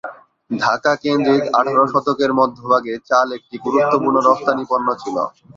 ঢাকা কেন্দ্রিক আঠারো শতকের মধ্যভাগে চাল একটি গুরুত্বপূর্ণ রফতানি পণ্য ছিল।